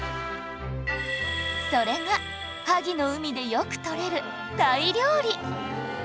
それが萩の海でよく取れる鯛料理